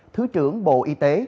thứ trưởng bộ y tế